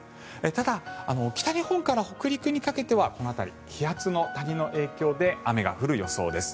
ただ、北日本から北陸にかけてはこの辺り、気圧の谷の影響で雨が降る予想です。